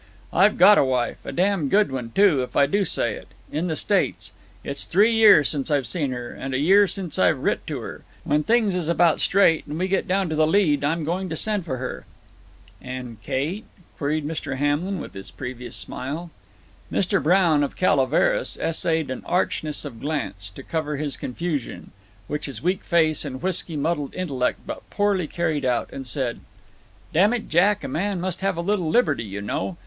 "I've got a wife a damned good one, too, if I do say it in the States. It's three year since I've seen her, and a year since I've writ to her. When things is about straight, and we get down to the lead, I'm going to send for her." "And Kate?" queried Mr. Hamlin, with his previous smile. Mr. Brown of Calaveras essayed an archness of glance, to cover his confusion, which his weak face and whisky muddled intellect but poorly carried out, and said: "Damn it, Jack, a man must have a little liberty, you know.